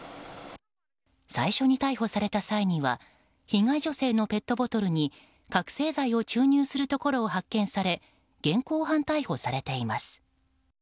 最初に逮捕された際には被害女性のペットボトルに覚醒剤を注入するところを発見され現行犯逮捕されています。